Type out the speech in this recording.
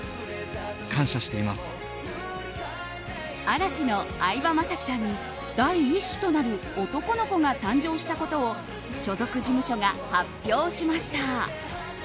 嵐の相葉雅紀さんに第１子となる男の子が誕生したことを所属事務所が発表しました。